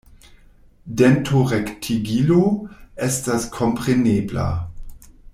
Dentorektigilo estas komprenebla.